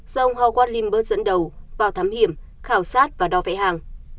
do ông howard limburg dẫn đầu vào thám hiểm khảo sát và đo vẽ hang